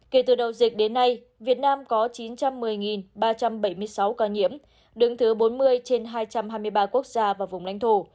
kể từ đầu dịch đến nay việt nam có chín trăm một mươi ba trăm bảy mươi sáu ca nhiễm đứng thứ bốn mươi trên hai trăm hai mươi ba quốc gia và vùng lãnh thổ